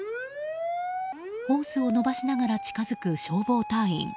ホースを伸ばしながら近づく消防隊員。